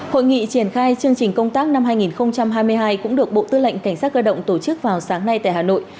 hội nghị triển khai chương trình công tác năm hai nghìn hai mươi hai cũng được bộ tư lệnh cảnh sát cơ động tổ chức vào sáng nay tại hà nội